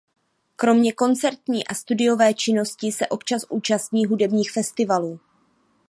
Kromě koncertní a studiové činnosti se občas účastní hudebních festivalů.